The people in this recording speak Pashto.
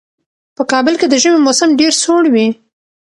په کابل کې د ژمي موسم ډېر سوړ وي.